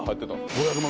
５００万！？